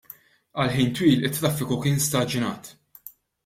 Għal ħin twil it-traffiku kien staġnat.